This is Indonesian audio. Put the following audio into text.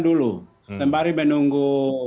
dulu sembari menunggu